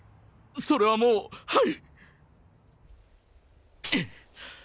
それはもうハイ。